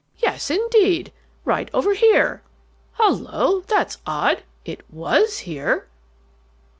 "Yes, indeed! Right over here! Hullo, that's odd! It WAS here."